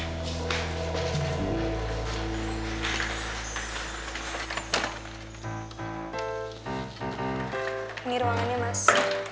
ini ruangannya mas